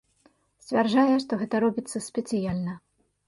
Сцвярджае, што гэта робіцца спецыяльна.